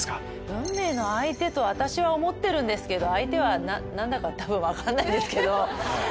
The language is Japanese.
運命の相手と私は思ってるんですけど相手は何だか分かんないんです。